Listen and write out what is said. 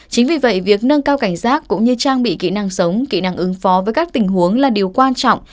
chính vì vậy việc nâng cao cảnh giác cũng như trang bị kỹ năng sống kỹ năng ứng phó với các tình huống là điều quan trọng